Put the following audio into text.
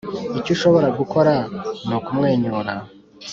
icyo ushobora gukora nukumwenyura